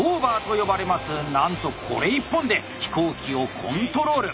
なんとこれ１本で飛行機をコントロール。